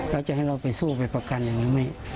แล้วจะให้เราไปสู้ไปประกันอย่างนั้น